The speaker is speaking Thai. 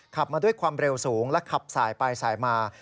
ขับมาด้วยความเร็วสูงและขับสายไปสายมา